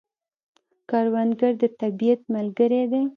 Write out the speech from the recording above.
کروندګر د طبیعت ملګری دی